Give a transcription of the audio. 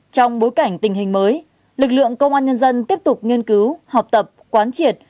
trong bối cảnh tình hình mới lực lượng công an nhân dân tiếp tục nghiên cứu học tập quán triệt